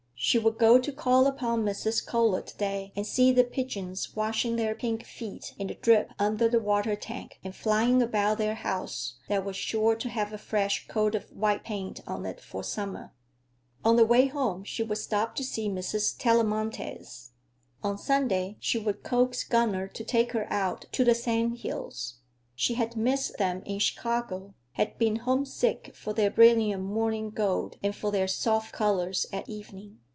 She would go to call upon Mrs. Kohler to day, and see the pigeons washing their pink feet in the drip under the water tank, and flying about their house that was sure to have a fresh coat of white paint on it for summer. On the way home she would stop to see Mrs. Tellamantez. On Sunday she would coax Gunner to take her out to the sand hills. She had missed them in Chicago; had been homesick for their brilliant morning gold and for their soft colors at evening.